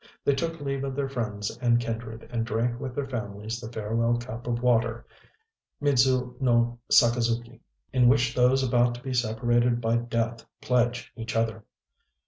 They took leave of their friends and kindred, and drank with their families the farewell cup of water, midzu no sakazuki, in which those about to be separated by death pledge each other.